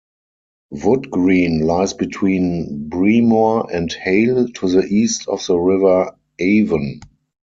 Woodgreen lies between Breamore and Hale to the east of the River Avon.